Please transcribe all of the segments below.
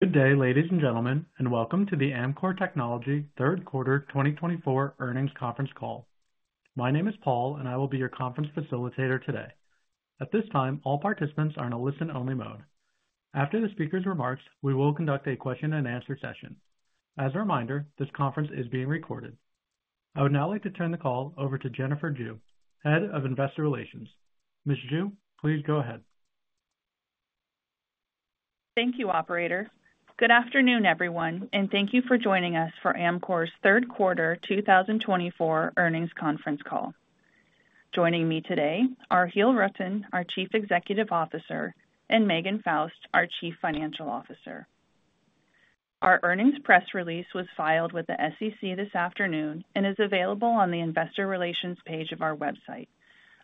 Good day, ladies and gentlemen, and welcome to the Amkor Technology Third Quarter 2024 Earnings Conference Call. My name is Paul, and I will be your conference facilitator today. At this time, all participants are in a listen-only mode. After the speaker's remarks, we will conduct a question and answer session. As a reminder, this conference is being recorded. I would now like to turn the call over to Jennifer Jue, Head of Investor Relations. Ms. Jue, please go ahead. Thank you, operator. Good afternoon, everyone, and thank you for joining us for Amkor's Third Quarter 2024 Earnings Conference Call. Joining me today are Giel Rutten, our Chief Executive Officer, and Megan Faust, our Chief Financial Officer. Our earnings press release was filed with the SEC this afternoon and is available on the investor relations page of our website,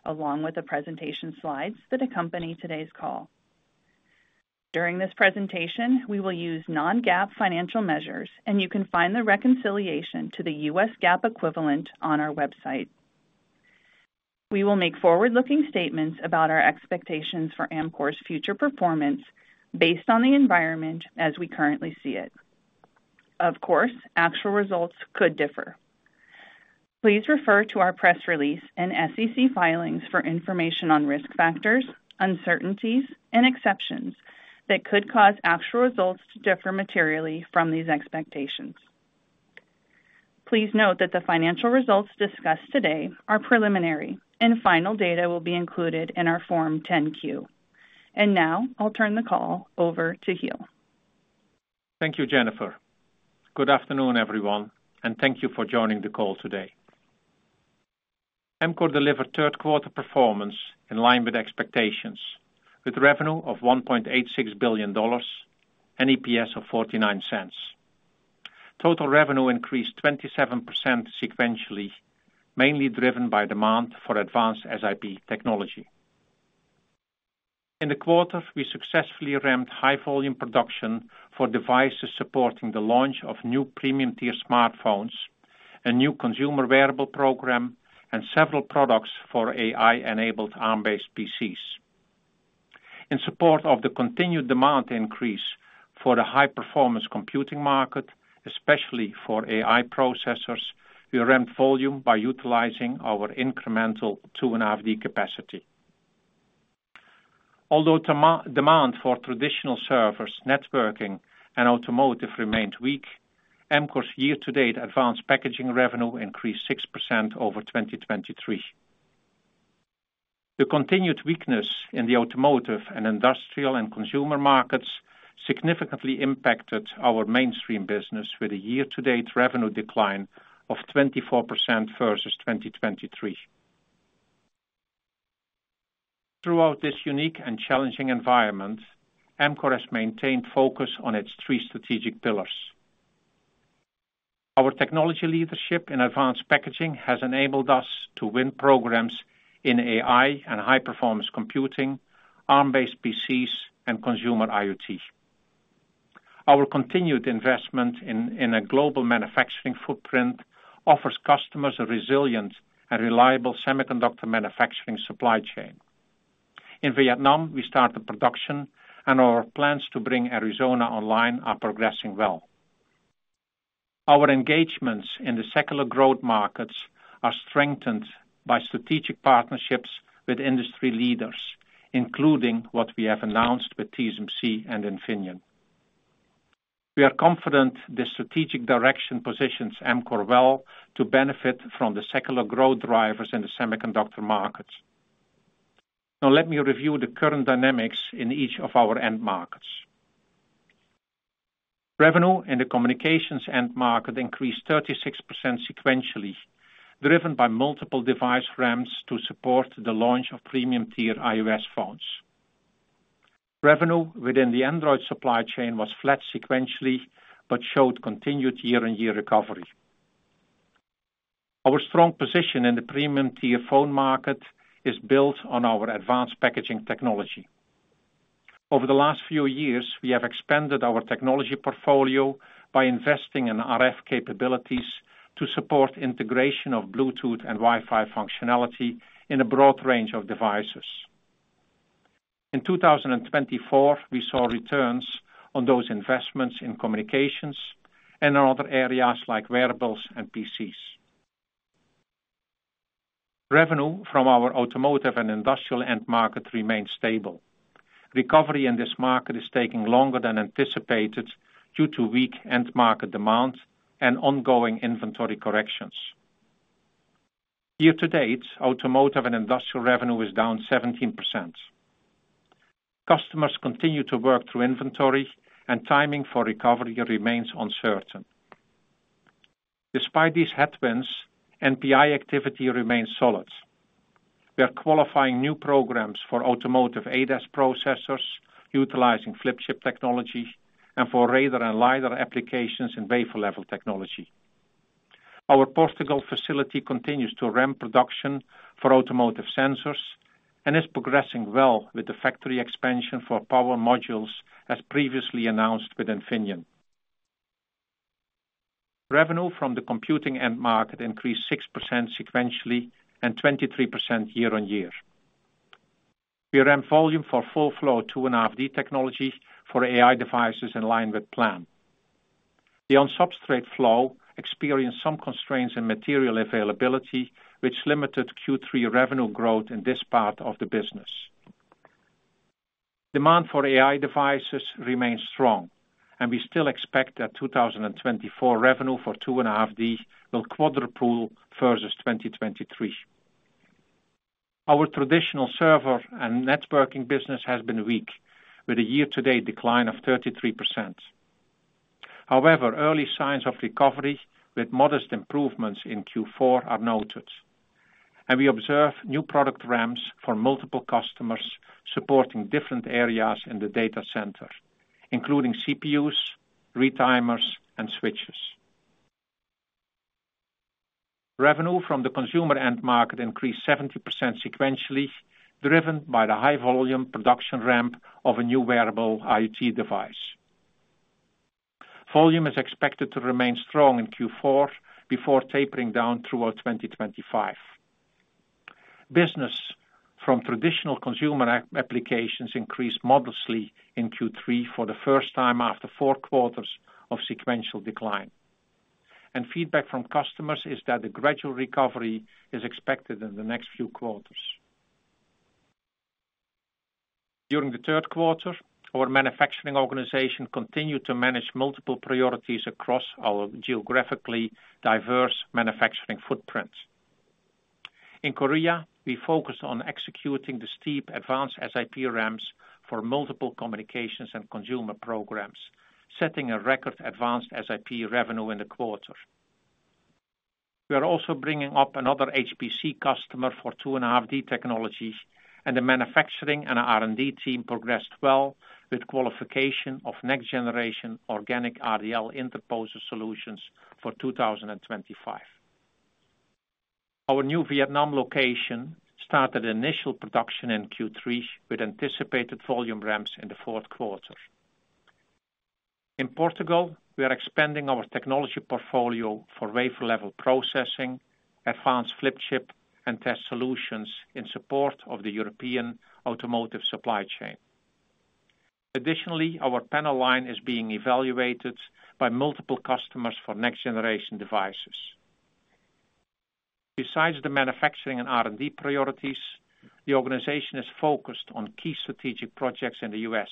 along with the presentation slides that accompany today's call. During this presentation, we will use Non-GAAP financial measures, and you can find the reconciliation to the U.S. GAAP equivalent on our website. We will make forward-looking statements about our expectations for Amkor's future performance based on the environment as we currently see it. Of course, actual results could differ. Please refer to our press release and SEC filings for information on risk factors, uncertainties, and exceptions that could cause actual results to differ materially from these expectations. Please note that the financial results discussed today are preliminary, and final data will be included in our Form 10-Q. And now I'll turn the call over to Giel. Thank you, Jennifer. Good afternoon, everyone, and thank you for joining the call today. Amkor delivered third quarter performance in line with expectations, with revenue of $1.86 billion and EPS of $0.49. Total revenue increased 27% sequentially, mainly driven by demand for advanced SiP technology. In the quarter, we successfully ramped high volume production for devices supporting the launch of new premium-tier smartphones, a new consumer wearable program, and several products for AI-enabled ARM-based PCs. In support of the continued demand increase for the high-performance computing market, especially for AI processors, we ramped volume by utilizing our incremental 2.5D capacity. Although demand for traditional servers, networking, and automotive remained weak, Amkor's year-to-date advanced packaging revenue increased 6% over 2023. The continued weakness in the automotive and industrial and consumer markets significantly impacted our mainstream business with a year-to-date revenue decline of 24% versus 2023. Throughout this unique and challenging environment, Amkor has maintained focus on its three strategic pillars. Our technology leadership in advanced packaging has enabled us to win programs in AI and high-performance computing, ARM-based PCs, and consumer IoT. Our continued investment in a global manufacturing footprint offers customers a resilient and reliable semiconductor manufacturing supply chain. In Vietnam, we started production, and our plans to bring Arizona online are progressing well. Our engagements in the secular growth markets are strengthened by strategic partnerships with industry leaders, including what we have announced with TSMC and Infineon. We are confident the strategic direction positions Amkor well to benefit from the secular growth drivers in the semiconductor market. Now, let me review the current dynamics in each of our end markets. Revenue in the communications end market increased 36% sequentially, driven by multiple device ramps to support the launch of premium-tier iOS phones. Revenue within the Android supply chain was flat sequentially, but showed continued year-on-year recovery. Our strong position in the premium-tier phone market is built on our advanced packaging technology. Over the last few years, we have expanded our technology portfolio by investing in RF capabilities to support integration of Bluetooth and Wi-Fi functionality in a broad range of devices. In 2024, we saw returns on those investments in communications and in other areas like wearables and PCs. Revenue from our automotive and industrial end market remained stable. Recovery in this market is taking longer than anticipated due to weak end market demand and ongoing inventory corrections. Year to date, automotive and industrial revenue is down 17%. Customers continue to work through inventory, and timing for recovery remains uncertain. Despite these headwinds, NPI activity remains solid. We are qualifying new programs for automotive ADAS processors, utilizing flip chip technology and for radar and lidar applications in wafer level technology. Our Portugal facility continues to ramp production for automotive sensors and is progressing well with the factory expansion for power modules, as previously announced with Infineon. Revenue from the computing end market increased 6% sequentially and 23% year-on-year. We ran volume for full flow, 2.5D technologies for AI devices in line with plan. The on-substrate flow experienced some constraints in material availability, which limited Q3 revenue growth in this part of the business. Demand for AI devices remains strong, and we still expect that 2024 revenue for 2.5D will quadruple versus 2023. Our traditional server and networking business has been weak, with a year-to-date decline of 33%. However, early signs of recovery with modest improvements in Q4 are noted, and we observe new product ramps for multiple customers supporting different areas in the data center, including CPUs, retimers, and switches. Revenue from the consumer end market increased 70% sequentially, driven by the high volume production ramp of a new wearable IoT device. Volume is expected to remain strong in Q4 before tapering down throughout 2025. Business from traditional consumer applications increased modestly in Q3 for the first time after four quarters of sequential decline, and feedback from customers is that a gradual recovery is expected in the next few quarters. During the third quarter, our manufacturing organization continued to manage multiple priorities across our geographically diverse manufacturing footprint. In Korea, we focused on executing the steep advanced SiP ramps for multiple communications and consumer programs, setting a record advanced SiP revenue in the quarter. We are also bringing up another HPC customer for 2.5D technologies, and the manufacturing and R&D team progressed well with qualification of next-generation organic RDL interposer solutions for 2025. Our new Vietnam location started initial production in Q3, with anticipated volume ramps in the fourth quarter. In Portugal, we are expanding our technology portfolio for wafer-level processing, advanced flip chip, and test solutions in support of the European automotive supply chain. Additionally, our panel line is being evaluated by multiple customers for next-generation devices. Besides the manufacturing and R&D priorities, the organization is focused on key strategic projects in the U.S.,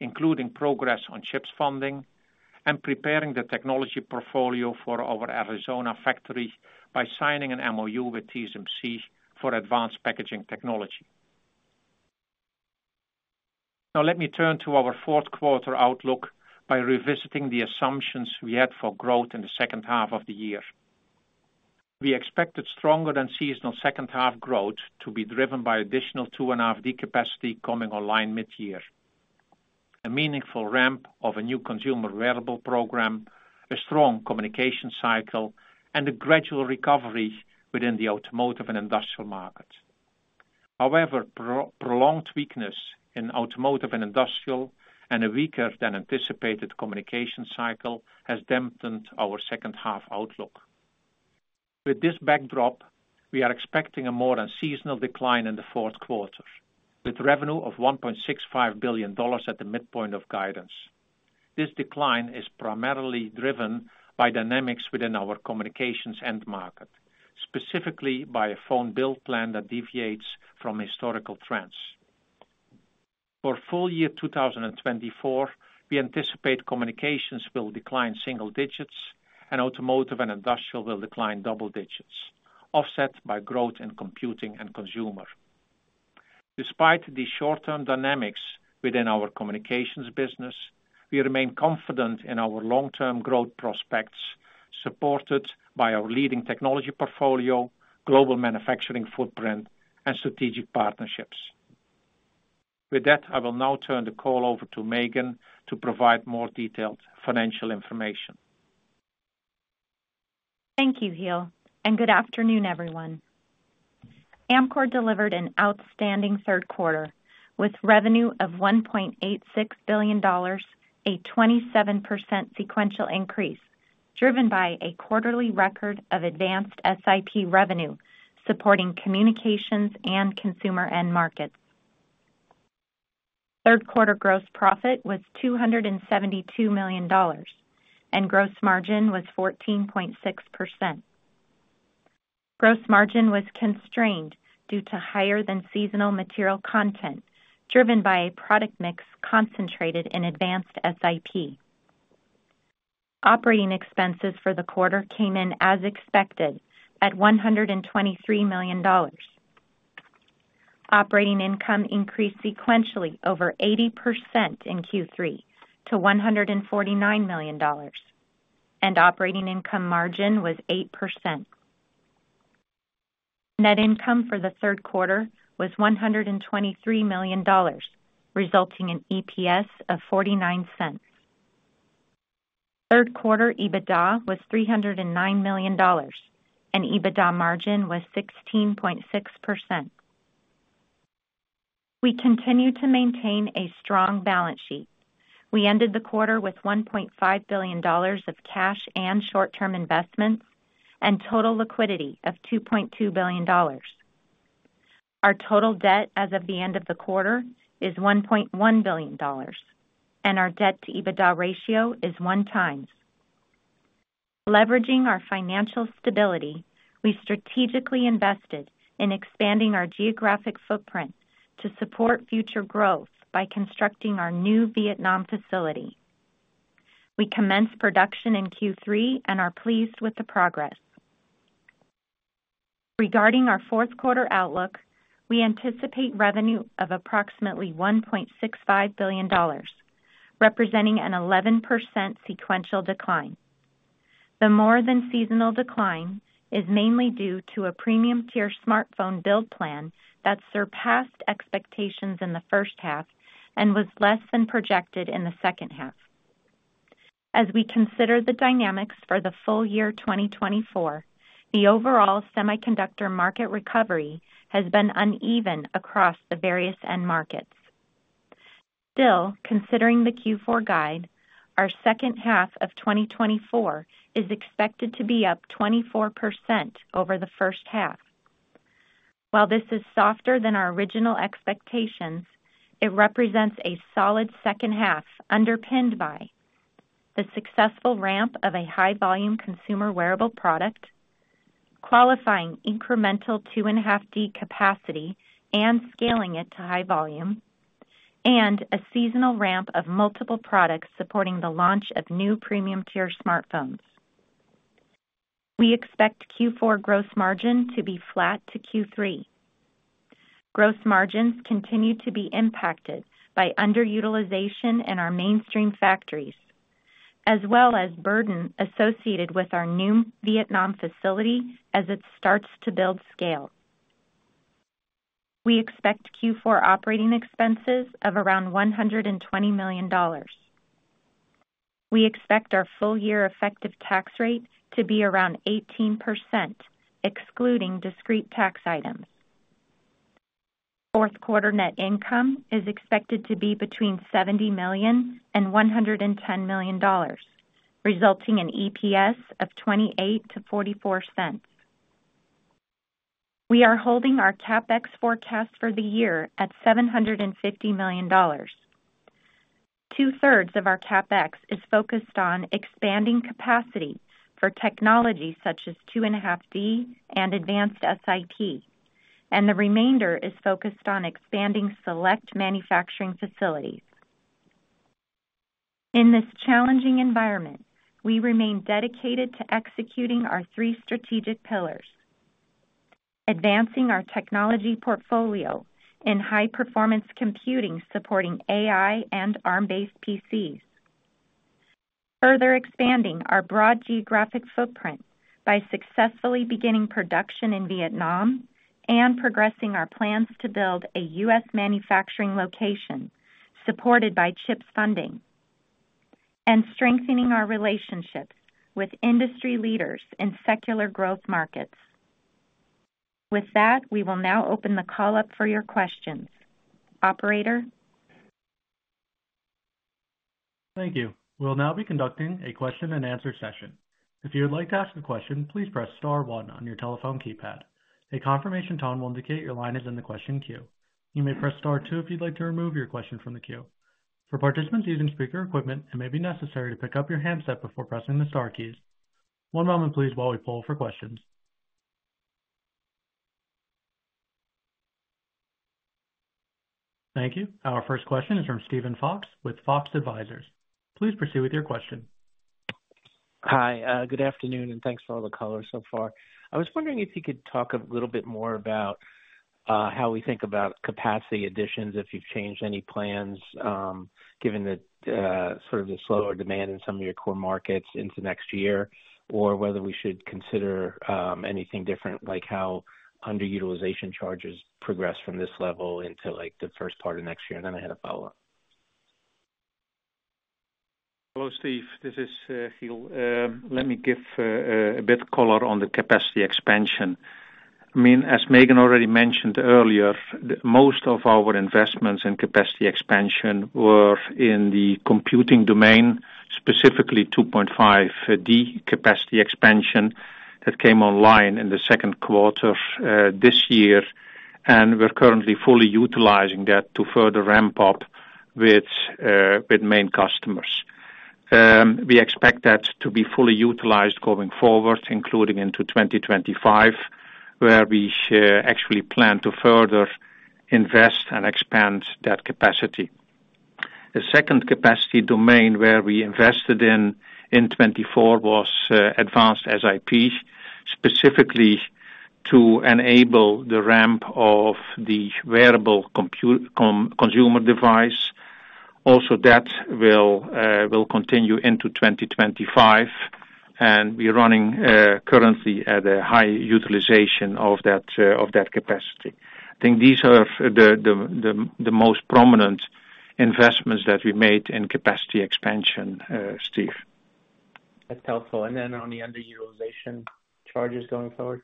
including progress on CHIPS funding and preparing the technology portfolio for our Arizona factory by signing an MOU with TSMC for advanced packaging technology. Now, let me turn to our fourth quarter outlook by revisiting the assumptions we had for growth in the second half of the year. We expected stronger than seasonal second half growth to be driven by additional 2.5D capacity coming online mid-year, a meaningful ramp of a new consumer wearable program, a strong communication cycle, and a gradual recovery within the automotive and industrial markets. However, prolonged weakness in automotive and industrial, and a weaker than anticipated communication cycle has dampened our second half outlook. With this backdrop, we are expecting a more than seasonal decline in the fourth quarter, with revenue of $1.65 billion at the midpoint of guidance. This decline is primarily driven by dynamics within our communications end market, specifically by a phone build plan that deviates from historical trends. For full year two thousand and twenty-four, we anticipate communications will decline single digits, and automotive and industrial will decline double digits, offset by growth in computing and consumer. Despite the short-term dynamics within our communications business, we remain confident in our long-term growth prospects, supported by our leading technology portfolio, global manufacturing footprint, and strategic partnerships. With that, I will now turn the call over to Megan to provide more detailed financial information. Thank you, Giel, and good afternoon, everyone. Amkor delivered an outstanding third quarter with revenue of $1.86 billion, a 27% sequential increase, driven by a quarterly record of advanced SiP revenue, supporting communications and consumer end markets. Third quarter gross profit was $272 million, and gross margin was 14.6%. Gross margin was constrained due to higher than seasonal material content, driven by a product mix concentrated in advanced SiP. Operating expenses for the quarter came in as expected, at $123 million. Operating income increased sequentially over 80% in Q3 to $149 million, and operating income margin was 8%. Net income for the third quarter was $123 million, resulting in EPS of $0.49. Third quarter EBITDA was $309 million, and EBITDA margin was 16.6%. We continue to maintain a strong balance sheet. We ended the quarter with $1.5 billion of cash and short-term investments, and total liquidity of $2.2 billion. Our total debt as of the end of the quarter is $1.1 billion, and our debt to EBITDA ratio is one times. Leveraging our financial stability, we strategically invested in expanding our geographic footprint to support future growth by constructing our new Vietnam facility. We commenced production in Q3 and are pleased with the progress. Regarding our fourth quarter outlook, we anticipate revenue of approximately $1.65 billion, representing an 11% sequential decline. The more than seasonal decline is mainly due to a premium tier smartphone build plan that surpassed expectations in the first half and was less than projected in the second half. As we consider the dynamics for the full year twenty twenty-four, the overall semiconductor market recovery has been uneven across the various end markets. Still, considering the Q4 guide, our second half of twenty twenty-four is expected to be up 24% over the first half. While this is softer than our original expectations, it represents a solid second half, underpinned by the successful ramp of a high volume consumer wearable product, qualifying incremental 2.5D capacity and scaling it to high volume, and a seasonal ramp of multiple products supporting the launch of new premium tier smartphones. We expect Q4 gross margin to be flat to Q3. Gross margins continue to be impacted by underutilization in our mainstream factories, as well as burden associated with our new Vietnam facility as it starts to build scale. We expect Q4 operating expenses of around $120 million. We expect our full year effective tax rate to be around 18%, excluding discrete tax items. Fourth quarter net income is expected to be between $70 million and $110 million, resulting in EPS of $0.28-$0.44. We are holding our CapEx forecast for the year at $750 million. Two-thirds of our CapEx is focused on expanding capacity for technologies such as 2.5D and advanced SiP, and the remainder is focused on expanding select manufacturing facilities. In this challenging environment, we remain dedicated to executing our three strategic pillars, advancing our technology portfolio in high performance computing, supporting AI and ARM-based PCs, further expanding our broad geographic footprint by successfully beginning production in Vietnam and progressing our plans to build a U.S. manufacturing location supported by CHIPS funding, and strengthening our relationships with industry leaders in secular growth markets. With that, we will now open the call up for your questions. Operator? Thank you. We'll now be conducting a question and answer session. If you would like to ask a question, please press star one on your telephone keypad. A confirmation tone will indicate your line is in the question queue. You may press star two if you'd like to remove your question from the queue. For participants using speaker equipment, it may be necessary to pick up your handset before pressing the star keys. One moment please while we poll for questions. Thank you. Our first question is from Steven Fox with Fox Advisors. Please proceed with your question. Hi, good afternoon, and thanks for all the color so far. I was wondering if you could talk a little bit more about how we think about capacity additions, if you've changed any plans, given the sort of the slower demand in some of your core markets into next year, or whether we should consider anything different, like how underutilization charges progress from this level into, like, the first part of next year? And then I had a follow-up. Hello, Steve, this is Giel. Let me give a bit of color on the capacity expansion. I mean, as Megan already mentioned earlier, the most of our investments in capacity expansion were in the computing domain, specifically 2.5D capacity expansion, that came online in the second quarter this year, and we're currently fully utilizing that to further ramp up with main customers. We expect that to be fully utilized going forward, including into twenty twenty-five, where we actually plan to further invest and expand that capacity. The second capacity domain, where we invested in twenty-four was advanced SiP, specifically to enable the ramp of the wearable consumer device. Also, that will continue into twenty twenty-five, and we're running currently at a high utilization of that capacity. I think these are the most prominent investments that we made in capacity expansion, Steve. That's helpful, and then on the underutilization charges going forward?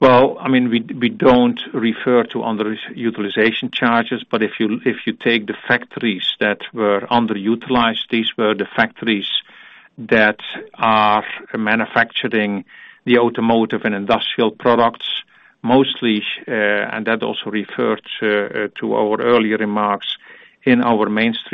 Well, I mean, we don't refer to underutilization charges, but if you take the factories that were underutilized, these were the factories that are manufacturing the automotive and industrial products, mostly, and that also referred to our earlier remarks in our mainstream.